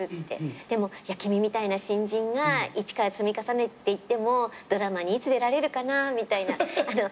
でも君みたいな新人が一から積み重ねていってもドラマにいつ出られるかなみたいな。